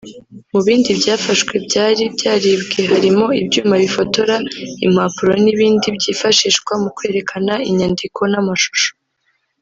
Mu bindi byafashwe byari byaribwe harimo ibyuma bifotora impapuro n’ibindi byifashishwa mu kwerekana inyandiko n’amashusho